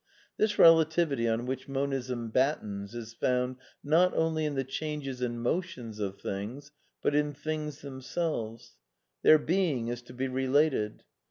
This relativity on which Monism battens is foimd, not only in the changes and motions of things, but in things themselves. Their being is to be related.